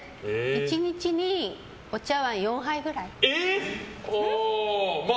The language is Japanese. １日にお茶わん４杯ぐらい。